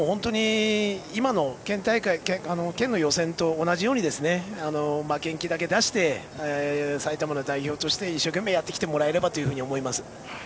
今の県の予選と同じように、負けん気だけ出して埼玉の代表として一生懸命やってきてもらえればと思います。